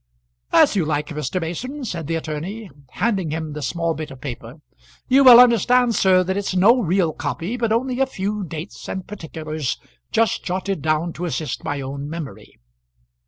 "As you like, Mr. Mason," said the attorney, handing him the small bit of paper. "You will understand, sir, that it's no real copy, but only a few dates and particulars, just jotted down to assist my own memory."